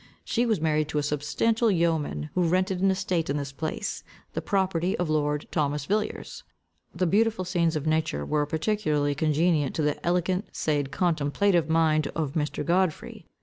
She was married to a substantial yeoman, who rented an estate in this place, the property of lord Thomas Villiers. The beautiful scenes of nature were particularly congenial to the elegant said contemplative mind of Mr. Godfrey.